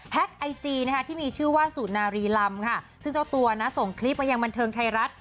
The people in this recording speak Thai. ไอจีนะคะที่มีชื่อว่าสุนารีลำค่ะซึ่งเจ้าตัวนะส่งคลิปมายังบันเทิงไทยรัฐ